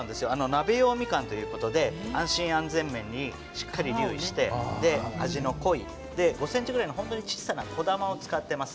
鍋用みかんということで安心安全面にしっかり留意して味の濃い５ｃｍぐらいの本当に小さな小玉を使ってます。